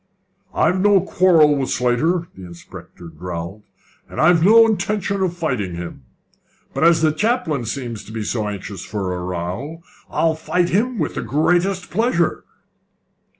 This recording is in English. "I've no quarrel with Slater," the inspector growled, "and I've no intention of fighting him; but as the chaplain seems to be so anxious for a row, I'll fight him with the greatest pleasure."